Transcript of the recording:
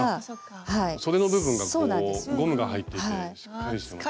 そでの部分がゴムが入っていてしっかりしてますね。